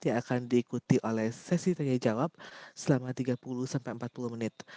yang akan diikuti oleh sesi tanya jawab selama tiga puluh sampai empat puluh menit